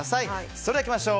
それではいきましょう。